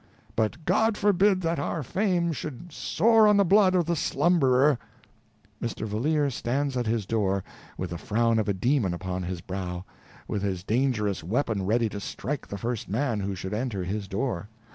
But God forbid that our fame should soar on the blood of the slumberer." Mr. Valeer stands at his door with the frown of a demon upon his brow, with his dangerous weapon ready to strike the first man who should enter his door.